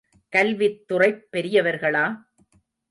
கல்வித் துறைப் பெரியவர்களா?